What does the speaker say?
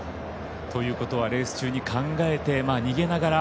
ということはレース中に考えて逃げながら。